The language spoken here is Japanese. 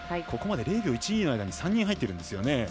ここまで０秒１２の間に３人入ってるんですね。